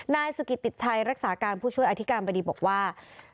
นายสุกิตติดชัยรักษาการผู้ช่วยอธิการบดีบอกว่า